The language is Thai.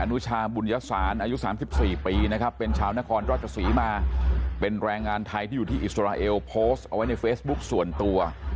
นุชาบุญยสารอายุ๓๔ปีนะครับเป็นชาวนครราชศรีมาเป็นแรงงานไทยที่อยู่ที่อิสราเอลโพสต์เอาไว้ในเฟซบุ๊คส่วนตัว